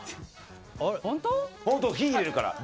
火に入れるから！